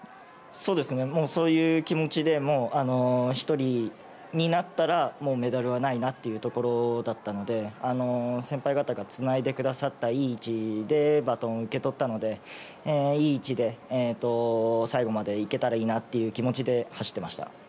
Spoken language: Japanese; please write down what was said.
もうそういう気持ちで、１人になったら、もうメダルはないなっていうところだったので、先輩方がつないでくださったいい位置でバトンを受け取ったので、いい位置で最後までいけたらいいなっていう気持ちで走ってました。